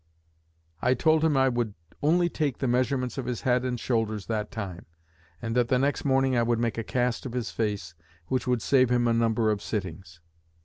I told him I would only take the measurements of his head and shoulders that time, and that the next morning I would make a cast of his face, which would save him a number of sittings.